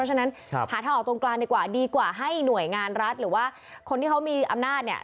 ฉะนั้นหาทางออกตรงกลางดีกว่าดีกว่าให้หน่วยงานรัฐหรือว่าคนที่เขามีอำนาจเนี่ย